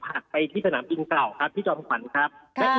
ผ่านไปที่สนามอิคก่าวที่จอดภังขวัญครับ